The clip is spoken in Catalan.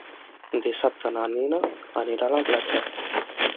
Dissabte na Nina anirà a la platja.